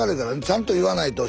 ちゃんと言わないと。